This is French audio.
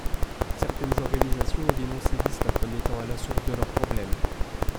Certaines organisations ont dénoncé Vista comme étant à la source de leurs problèmes.